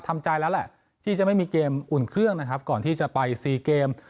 ทำใจแล้วแหละที่จะไม่มีเกมอุ่นเครื่องนะครับก่อนที่จะไปซีเกม